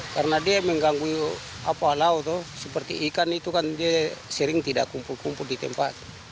karena dia mengganggu apa laut seperti ikan itu kan dia sering tidak kumpul kumpul di tempat